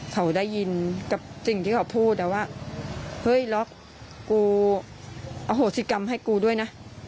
เขาได้ยินกับสิ่งที่เขาพูดว่าเฮ้ยล็อกกูอโหสิกรรมให้กูด้วยนะ